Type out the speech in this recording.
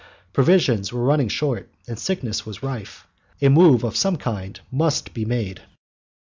Provisions were running short, and sickness was rife. A move of some kind must be made.